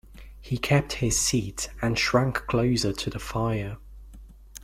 He kept his seat, and shrank closer to the fire.